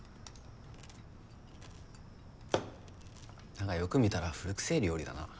何かよく見たら古臭ぇ料理だなぁ。